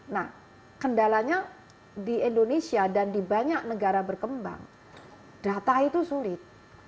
nah kendalanya di indonesia dan di banyak negara berkembang data itu sulit